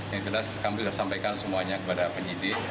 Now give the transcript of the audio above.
yang jelas kami sudah sampaikan semuanya kepada penyidik